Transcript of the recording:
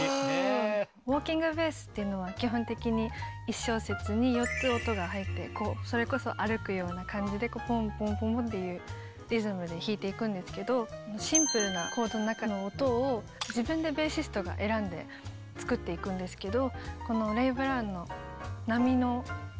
ウォーキングベースっていうのは基本的に１小節に４つ音が入ってそれこそ歩くような感じでぽんぽんぽんっていうリズムで弾いていくんですけどシンプルなコードの中の音を自分でベーシストが選んで作っていくんですけど。